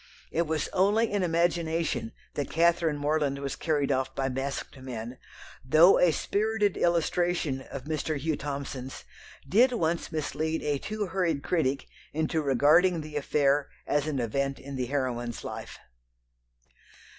It was only in imagination that Catherine Morland was carried off by masked men, though a spirited illustration of Mr. Hugh Thomson's did once mislead a too hurried critic into regarding the affair as an event in the heroine's life.